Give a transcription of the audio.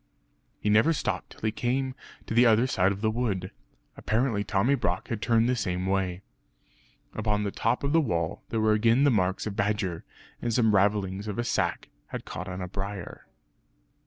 He never stopped till he came to the other side of the wood. Apparently Tommy Brock had turned the same way. Upon the top of the wall, there were again the marks of badger; and some ravellings of a sack had caught on a briar.